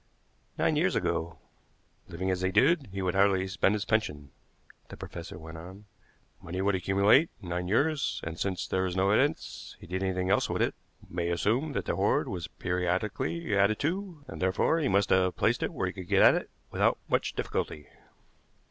"Nine years ago." "Living as he did, he would hardly spend his pension," the professor went on. "Money would accumulate in nine years, and, since there is no evidence that he did anything else with it, we may assume that the hoard was periodically added to, and, therefore, he must have placed it where he could get at it without much difficulty."